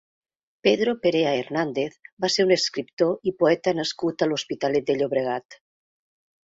Pedro Perea Hernández va ser un escriptor i poeta nascut a l'Hospitalet de Llobregat.